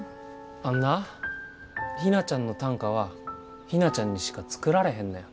あんな陽菜ちゃんの短歌は陽菜ちゃんにしか作られへんねん。